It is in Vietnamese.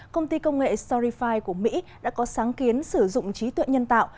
công ty công nghệ storify của mỹ đã có sáng kiến sử dụng trí tuệ nhân tạo